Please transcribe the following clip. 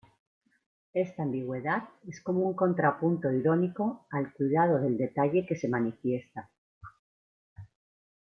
Esta ambigüedad es como un contrapunto irónico al cuidado del detalle que se manifiesta.